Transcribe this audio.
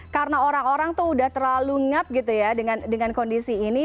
karena orang orang tuh udah terlalu ngap gitu ya dengan kondisi ini